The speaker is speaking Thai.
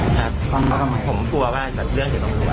ครับก็ตาทำไมผมกลัวว่าแบบหลังหรือลงหรือว่า